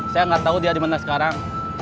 saya gak tau dia dimana sekarang